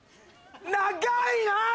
長いなあ